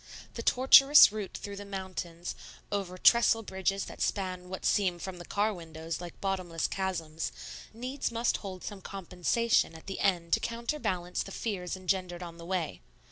The tortuous route through the mountains, over trestle bridges that span what seem, from the car windows, like bottomless chasms, needs must hold some compensation at the end to counterbalance the fears engendered on the way.